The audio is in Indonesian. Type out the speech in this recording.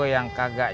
nu kita coba tengok